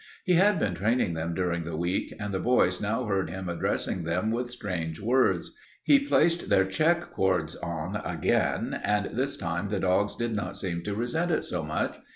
He had been training them during the week, and the boys now heard him addressing them with strange words. He placed their check cords on again, and this time the dogs did not seem to resent it so much.